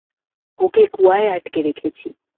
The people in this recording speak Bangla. ওকে কুয়ায় আটকে রেখেছি।